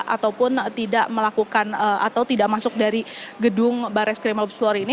ataupun tidak melakukan atau tidak masuk dari gedung baris krim mabes polri ini